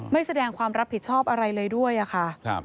ไม่แสดงความรับผิดชอบอะไรเลยด้วยอะค่ะ